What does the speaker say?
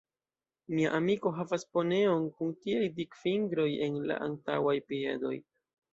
Mia amiko havas poneon kun tiaj dikfingroj en la antaŭaj piedoj.